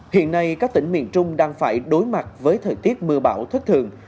hiện nay các tỉnh miền trung đang phải đối mặt với thời tiết mưa bão thất thường